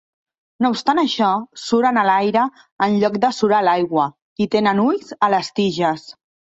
No obstant això, suren a l'aire en lloc de surar a l'aigua, i tenen ulls a les tiges.